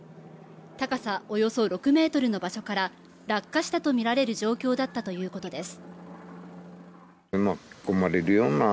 高さおよそ６ｍの場所から落下したとみられる状況だったということです。